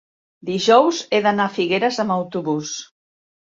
Dijous he d'anar a Figueres amb autobús.